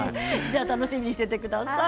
じゃあ楽しみにしていてください。